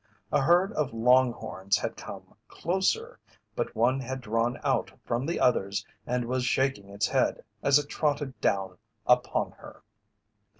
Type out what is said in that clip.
The herd of long horns had come closer, but one had drawn out from the others and was shaking its head as it trotted down upon her.